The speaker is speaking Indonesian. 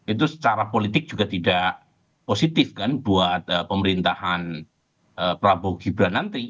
itu secara politik juga tidak positif kan buat pemerintahan prabowo gibran nanti